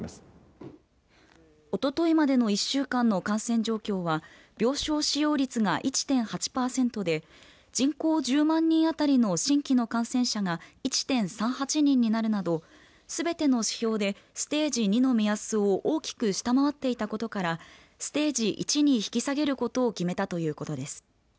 おとといまでの１週間の感染状況は病床使用率が１．８パーセントで人口１０万人当たりの新規の感染者が１．３８人になるなどすべての指標でステージ２の目安を大きく下回っていたことからステージ１に引き下げることを決めたということです。